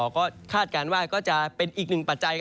ก็คาดการณ์ว่าก็จะเป็นอีกหนึ่งปัจจัย